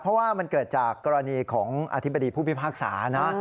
เพราะว่ามันเกิดจากกรณีของอธิบดีผู้พิพากษานะ